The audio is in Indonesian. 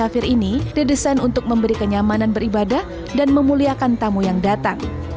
kafir ini didesain untuk memberi kenyamanan beribadah dan memuliakan tamu yang datang